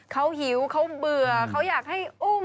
เขาหิวเขาเบื่อเขาอยากให้อุ้ม